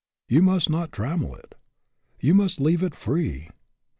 You must not trammel it. You must leave it free.